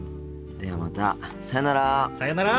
ではまたさよなら。